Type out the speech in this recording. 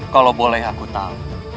kalau boleh aku tahu